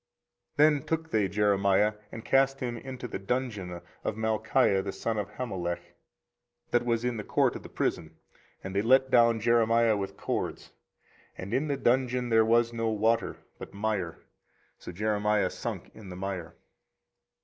24:038:006 Then took they Jeremiah, and cast him into the dungeon of Malchiah the son of Hammelech, that was in the court of the prison: and they let down Jeremiah with cords. And in the dungeon there was no water, but mire: so Jeremiah sunk in the mire.